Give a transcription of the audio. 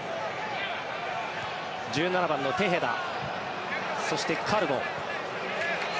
１７番のテヘダそしてカルボ。